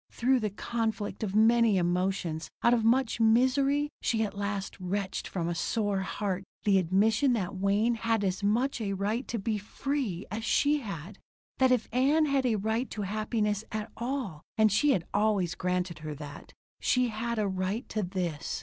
Through the conflict of many emotions, out of much misery, she at last wrenched from a sore heart the admission that Wayne had as much right to be "free" as she had. That if Ann had a right to happiness at all and she had always granted her that she had a right to this.